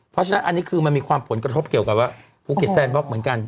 เพราะฉะนั้นอันนี้คือมันมีความผลกระทบเกี่ยวกับว่าภูเก็ตแซนบล็อกเหมือนกัน